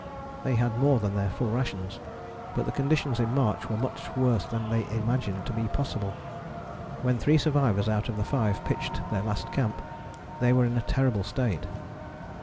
They had more than their full rations, but the conditions in March were much worse than they imagined to be possible: when three survivors out of the five pitched their Last Camp they were in a terrible state.